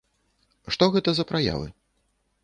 Што гэта за праявы?